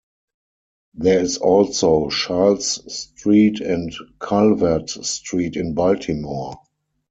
There is also Charles Street and Calvert Street in Baltimore.